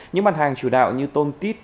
những mặt hàng chủ đạo như tôm tít